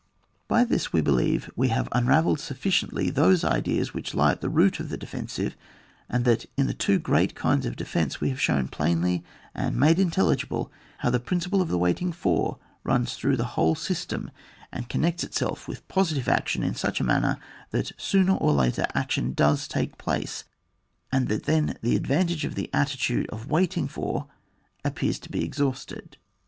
By this we belieye we haye unrayelled sufficiently those ideas which lie at the root of the defensive, and that in the two great kinds of defence we have shown plainly and made intelligible how the principle of the waiting for runs through the whole system and connects itself with positive action in such a manner that, sooner or later, action does take place, and that then the advantage of the attitude of waiting for appears to be exhausted.